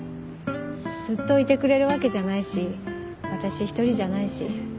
ずっといてくれるわけじゃないし私一人じゃないし。